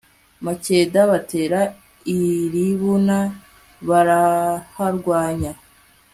makeda batera i libuna baraharwanya